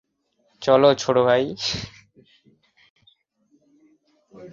চল, ছোট ভাই।